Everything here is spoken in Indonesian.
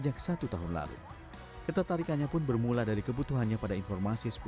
karena itu berbeda karena itu lebih baik